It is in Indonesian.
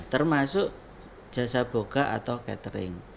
termasuk jasa buka atau catering